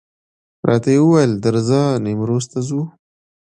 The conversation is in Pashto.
راته وویل درځه نیمروز ته ځو.